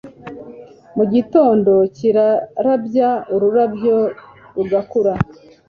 mu gitondo kirarabya, ururabyo rugakura